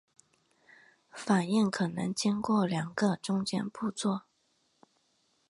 反应可能经过两个中间步骤。